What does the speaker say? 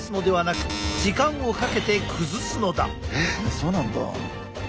そうなんだ。